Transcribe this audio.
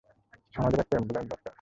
আমাদের একটা অ্যাম্বুলেন্স দরকার।